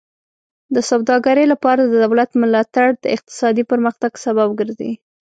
د سوداګرۍ لپاره د دولت ملاتړ د اقتصادي پرمختګ سبب ګرځي.